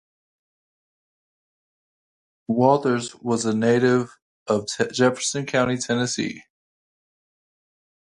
Walters was a native of Jefferson County, Tennessee.